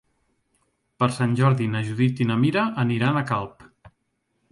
Per Sant Jordi na Judit i na Mira aniran a Calp.